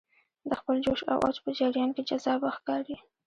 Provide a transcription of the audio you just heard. د خپل جوش او اوج په جریان کې جذابه ښکاري.